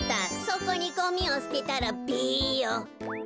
そこにゴミをすてたらべーよ」。